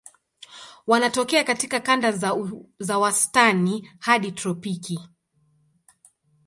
Wanatokea katika kanda za wastani hadi tropiki.